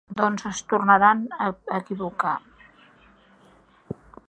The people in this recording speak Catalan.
Doncs es tornaran a equivocar.